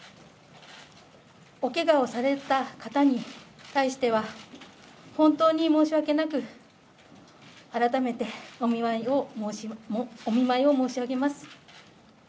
おけがをされた方に対しては、本当に申し訳なく、改めてお見舞いを申し上げます。